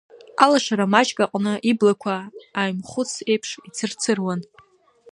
Алашара маҷ аҟны иблақәа аимхәыц еиԥш ицырцыруан.